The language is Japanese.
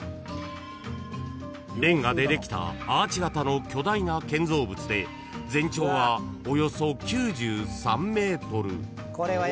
［れんがでできたアーチ形の巨大な建造物で全長はおよそ９３ｍ］